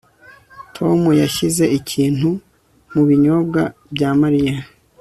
Tom yashyize ikintu mu binyobwa bya Mariya